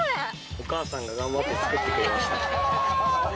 お母さんが頑張って作ってくれました。